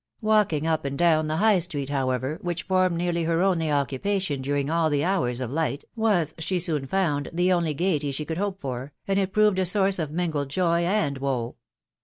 1* Walking up and down the High Street, however, Which formed nearly her only occupation during aM the hour* of light, was, she soon found, the only gaiety she could hops for, and St proved a source of mingled joy and woe.